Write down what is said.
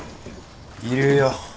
いるよ。